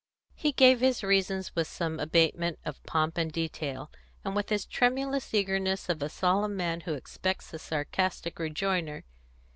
He gave his reasons, with some abatement of pomp and detail, and with the tremulous eagerness of a solemn man who expects a sarcastic rejoinder.